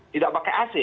tidak pakai ac